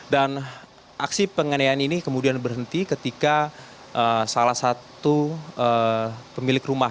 dan aksi pengenian ini kemudian berhenti ketika salah satu pemilik rumah